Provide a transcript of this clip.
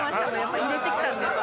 入れてきたんで。